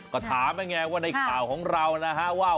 ก็ถามแล้วไงว่าในข่าวของเรานะฮะว่า